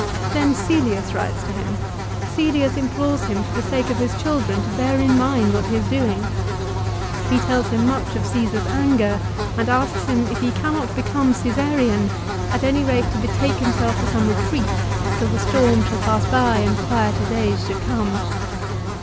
Then Cselius writes to him. Cselius implores him, for the sake of his children to bear in mind what he is doing. He tells him much of Caesar's anger, and asks him if he cannot become Caesarian, at any rate to betake himself to some retreat till the storm shall pass by and quieter days should come.